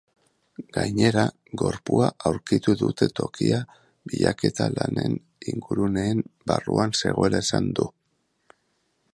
Gainera, gorpua aurkitu dute tokia bilaketa lanen inguruneen barruan zegoela esan du.